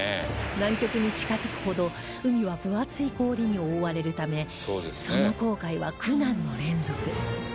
南極に近づくほど海は分厚い氷に覆われるためその航海は苦難の連続